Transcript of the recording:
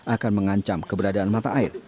akan mengancam keberadaan mata air